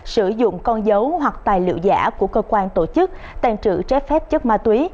sử dụng con dấu hoặc tài liệu giả của cơ quan tổ chức tàn trữ trái phép chất ma túy